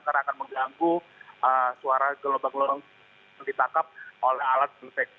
karena akan mengganggu suara gelombang gelombang yang ditangkap oleh alat perseksi black box